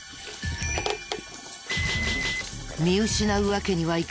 見失うわけにはいかない。